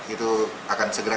itu akan segera